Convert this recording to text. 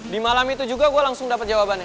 di malam itu juga gue langsung dapat jawabannya